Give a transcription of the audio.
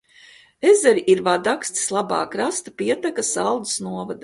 Ezere ir Vadakstes labā krasta pieteka Saldus novadā.